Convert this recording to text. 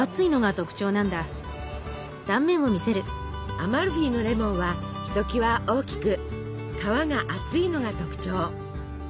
アマルフィのレモンはひときわ大きく皮が厚いのが特徴。